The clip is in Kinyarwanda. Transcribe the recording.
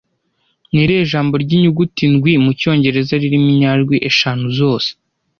Ni irihe jambo ry'inyuguti ndwi mu Cyongereza ririmo inyajwi eshanu zose